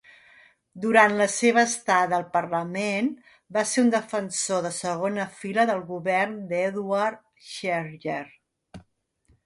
Durant la seva estada al parlament, va ser un defensor de segona fila del govern d'Edward Schreyer.